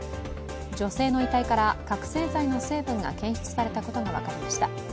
女性の遺体から覚醒剤の成分が検出されたことが分かりました。